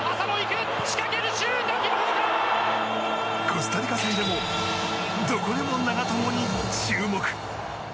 コスタリカ戦でもどこでも長友に注目。